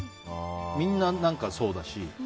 みんな、そうだし。